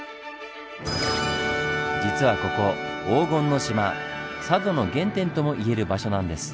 実はここ「黄金の島」佐渡の原点とも言える場所なんです。